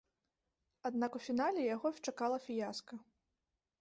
Аднак у фінале яго чакала фіяска.